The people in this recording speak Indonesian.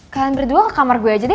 kalian berdua ke kamar gue aja deh